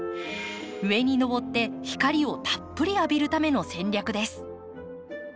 上にのぼって光をたっぷり浴びるための戦略です。